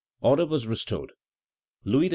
Order was restored. Louis XVI.